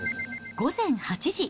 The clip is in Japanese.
午前８時。